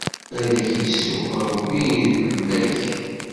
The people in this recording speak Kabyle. Ad ak-issu, Ṛebbi idel-ak!